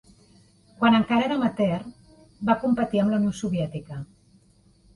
Quan encara era amateur va competir amb la Unió Soviètica.